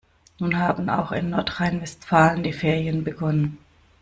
Nun haben auch in Nordrhein-Westfalen die Ferien begonnen.